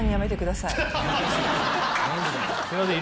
すいません。